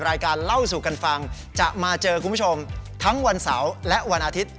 รายการเล่าสู่กันฟังจะมาเจอคุณผู้ชมทั้งวันเสาร์และวันอาทิตย์